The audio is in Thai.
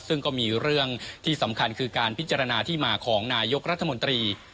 ซึ่งก็มีเรื่องที่สำคัญคือการพิจารณาที่มาของนายกรัฐมนตรี